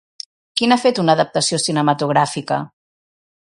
Qui n'ha fet una adaptació cinematogràfica?